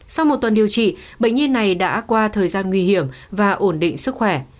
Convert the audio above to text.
sau một tuần điều trị bệnh nhi này đã qua thời gian nguy hiểm và ổn định sức khỏe